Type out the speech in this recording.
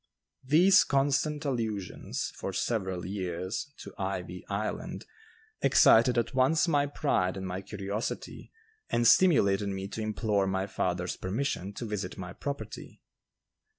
These constant allusions, for several years, to "Ivy Island" excited at once my pride and my curiosity and stimulated me to implore my father's permission to visit my property.